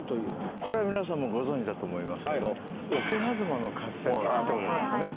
これは皆さんもご存じだと思いますけど桶狭間の合戦って聞いた事ありますよね。